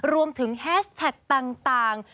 รวมถึงแฮชแท็กต่าง